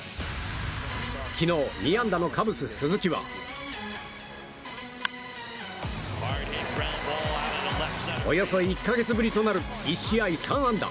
昨日２安打のカブス、鈴木はおよそ１か月ぶりとなる１試合３安打。